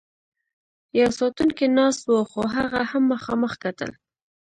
یو ساتونکی ناست و، خو هغه هم مخامخ کتل.